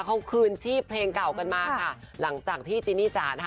เขาคืนชีพเพลงเก่ากันมาค่ะหลังจากที่จินนี่จ๋านะคะ